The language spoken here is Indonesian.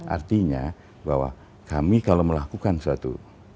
artinya bahwa kami kalau melakukan suatu